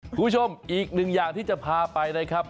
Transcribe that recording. คุณผู้ชมอีกหนึ่งอย่างที่จะพาไปนะครับ